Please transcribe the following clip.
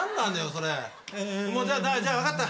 それ。じゃあ分かった。